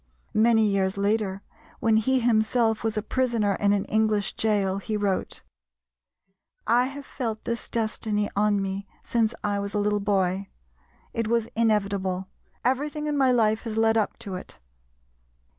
Many years later, when he himself was a prisoner in an English gaol he wrote: "I have felt this destiny on me since I was a little boy; it was inevitable; everything in my life has led up to it."